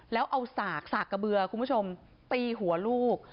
แล้วเอาสากกระเบือคุณผู้ชมตีหัวลูก